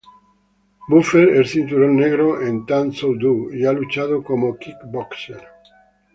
Buffer es cinturón negro en Tang Soo Do y ha luchado como un kickboxer.